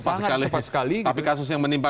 sangat cepat sekali tapi kasus yang menimpa